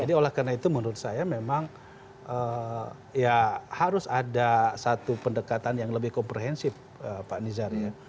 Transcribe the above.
jadi oleh karena itu menurut saya memang ya harus ada satu pendekatan yang lebih komprehensif pak nizar ya